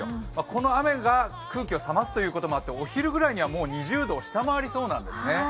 この雨が空気を冷ますということもあってお昼ぐらいには、もう２０度を下回りそうなんですね。